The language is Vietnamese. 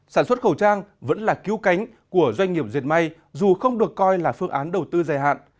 sản xuất khẩu trang vẫn là cứu cánh của doanh nghiệp diệt may dù không được coi là phương án đầu tư dài hạn